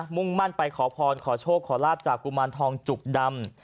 มุ่งมั่นไปขอพรขอโชคขอลาบจากกุมารทองจุกดำ